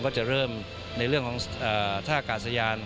ก็จะเริ่มในเรื่องของท่ากาศยาน